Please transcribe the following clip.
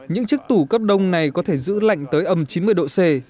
những chiếc tủ cấp đông này có thể giữ lạnh tới âm chín mươi độ c